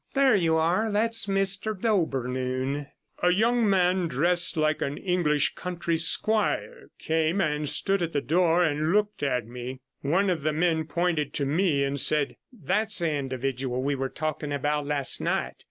There you are; that's Mr D'Aubernoun.' A young man, dressed like an English country squire, came and stood at the door, and looked at me. One of the men pointed to me and said 'That's the individual we were talking about last night.